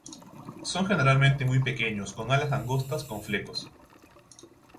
Son generalmente muy pequeños con alas angostas con flecos.